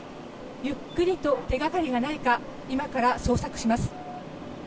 ゆっくりと、手掛かりがないか今から捜索します。